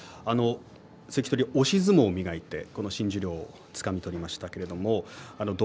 押し相撲を磨いて新十両をつかみました。